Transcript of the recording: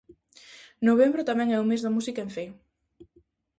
Novembro tamén é o mes da música en Cee.